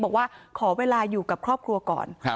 เชิงชู้สาวกับผอโรงเรียนคนนี้